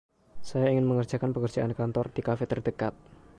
saya ingin mengerjakan pekerjaan kantor di kafe terdekat